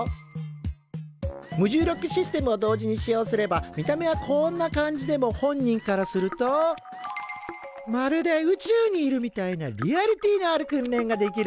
無重力システムを同時に使用すれば見た目はこんな感じでも本人からするとまるで宇宙にいるみたいなリアリティーのある訓練ができるんだ！